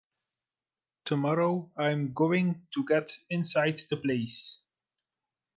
Tomorrow I'm going to get inside the place.